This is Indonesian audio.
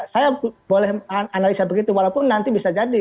saya boleh analisa begitu walaupun nanti bisa jadi